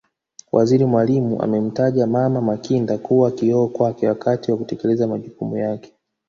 Waziri Mwalimu amemtaja Mama Makinda kuwa kioo kwake wakati wa kutekeleza majukumu yake